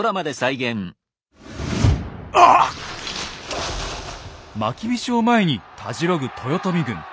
まきびしを前にたじろぐ豊臣軍。